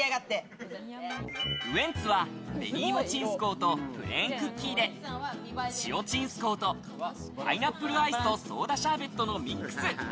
ウエンツは紅イモちんすこうとプレーンクッキーで、塩ちんすこうとパイナップルアイスとソーダシャーベットのミックス。